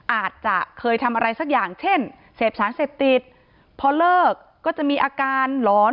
อาจจะเคยทำอะไรสักอย่างเช่นเสพสารเสพติดพอเลิกก็จะมีอาการหลอน